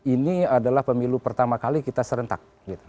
ini adalah pemilu pertama kali kita serentak